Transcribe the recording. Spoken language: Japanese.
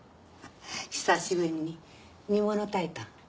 久しぶりに煮物炊いたん。